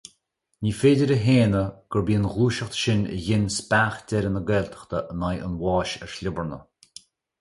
Ní féidir a shéanadh gurbh í an ghluaiseacht sin a ghin speach deireadh na Gaeltachta in aghaidh an bháis ar sliobarna.